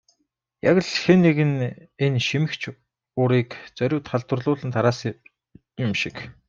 Яг л хэн нэг нь энэ шимэгч урыг зориуд халдварлуулан тараасан юм шиг.